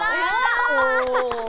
お！